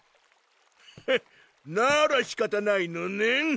フッならしかたないのねん！